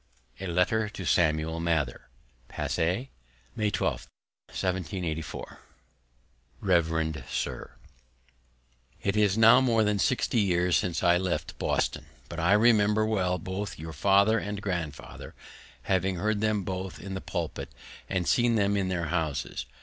A LETTER TO SAMUEL MATHER Passy, May 12, 1784. Revd Sir, It is now more than 60 years since I left Boston, but I remember well both your father and grandfather, having heard them both in the pulpit, and seen them in their houses.